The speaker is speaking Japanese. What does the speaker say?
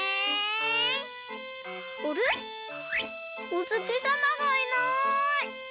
おつきさまがいない。